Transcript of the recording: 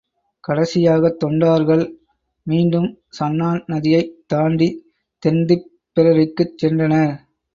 கடைசியாகத் தொண்டார்கள் மீண்டும் ஷன்னான் நதியைத் தாண்டித் தென்திப்பெரரிக்குச் சென்றனர்.